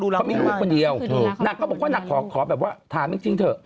เขามีลูกคนเดียวนางก็บอกว่านางขอแบบว่าถามจริงเถอะ